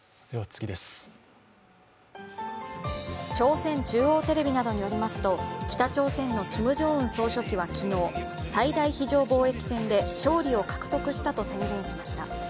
朝鮮中央テレビなどによりますと、北朝鮮のキム・ジョンイル総書記は昨日、最大非常防疫戦で勝利を獲得したと宣言しました。